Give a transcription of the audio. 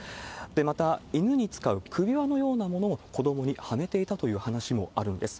また、犬に使う首輪のようなものを子どもにはめていたという話もあるんです。